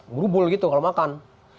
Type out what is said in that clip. ngerubul gitu kalau makan